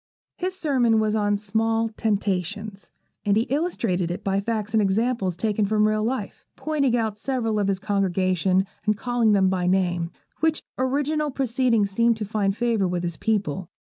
His sermon was on 'Small Temptations,' and he illustrated it by facts and examples taken from real life, pointing out several of his congregation, and calling them by name, which original proceeding seemed to find favour with his people.